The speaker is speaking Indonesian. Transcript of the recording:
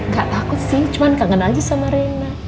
gak takut sih cuman kangen aja sama rena